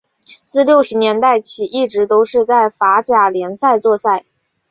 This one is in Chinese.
自六十年代起一直都是在法甲联赛作赛。